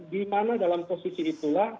di mana dalam posisi itulah